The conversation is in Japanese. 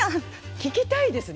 聞きたいですね